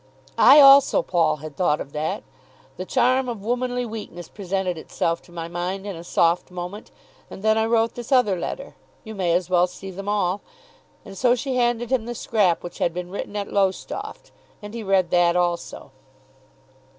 I also, Paul, had thought of that. The charm of womanly weakness presented itself to my mind in a soft moment, and then I wrote this other letter. You may as well see them all." And so she handed him the scrap which had been written at Lowestoft, and he read that also.